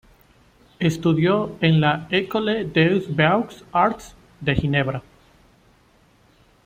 Estudió en la École des Beaux Arts, de Ginebra.